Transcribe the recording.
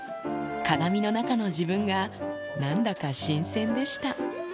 鏡の中の自分が、なんだか新鮮でした。